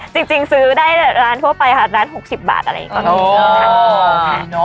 จริงซื้อได้ร้านทั่วไปค่ะร้าน๖๐บาทอะไรอย่างนี้